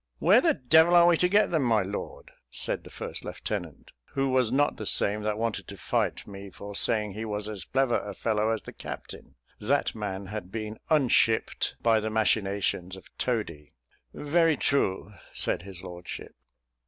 "Where the devil are we to get them, my lord?" said the first lieutenant, who was not the same that wanted to fight me for saying he was as clever a fellow as the captain: that man had been unshipped by the machinations of Toady. "Very true," said his lordship.